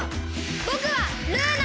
ぼくはルーナ！